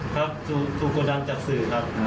ครับถูกกดดันจากสื่อครับ